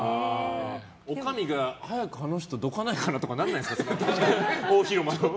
おかみが早くあの人どかないかなってならないかな。